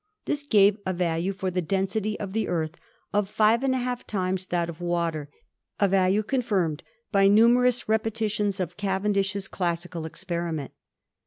This gave a value for the density of the Earth of 5^ times that of water, a value confirmed by numerous repetitions of Cavendish's classical experiment.